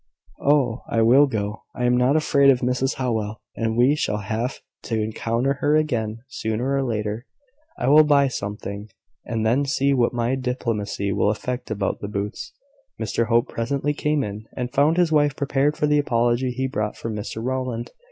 "Oh! I will go. I am not afraid of Mrs Howell; and we shall have to encounter her again, sooner or later. I will buy something, and then see what my diplomacy will effect about the boots." Mr Hope presently came in, and found his wife prepared for the apology he brought from Mr Rowland.